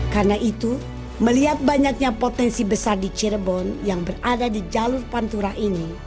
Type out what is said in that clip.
karena itu melihat banyaknya potensi besar di cirebon yang berada di jalur pantura ini